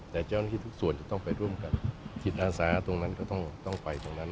แต่เจ้าหน้าที่ทุกส่วนจะต้องไปร่วมกันจิตอาสาตรงนั้นก็ต้องไปตรงนั้น